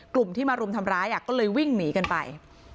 กลุ่มที่มารุมทำร้ายก็เลยวิ่งหนีกันไป